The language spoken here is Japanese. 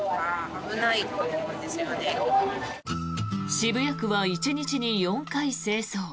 渋谷区は１日に４回清掃。